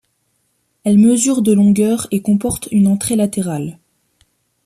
Elle mesure de longueur et comporte une entrée latérale.